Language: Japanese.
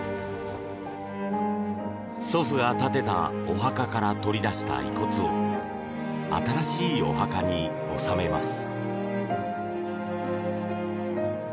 祖父が建てたお墓から取り出した遺骨を新しいお墓に納めます。